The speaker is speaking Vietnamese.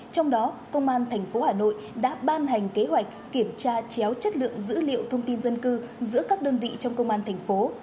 trong đó công an tp hà nội đã ban hành kế hoạch kiểm tra chéo chất lượng dữ liệu thông tin dân cư giữa các đơn vị trong công an thành phố